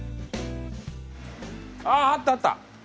あぁあったあった！